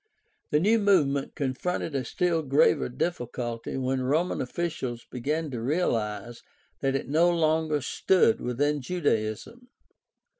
— The new movement con fronted a still graver difficulty when Roman officials began to realize that it no longer stood within Judaism.